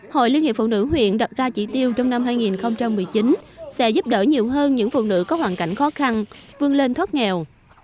hội liên hiệp phụ nữ huyện đặt ra chỉ tiêu trong năm hai nghìn một mươi chín sẽ giúp đỡ nhiều hơn những phụ nữ có hoàn cảnh khó khăn vươn lên thoát nghèo